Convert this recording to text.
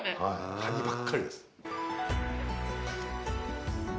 かにばっかりです。